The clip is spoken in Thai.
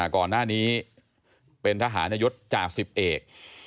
ก่อนหน้านี้เป็นทหารนยศจ่าสิบเอก